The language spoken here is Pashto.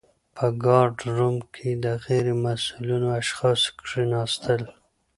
په ګارډ روم کي د غیر مسؤلو اشخاصو کښيناستل .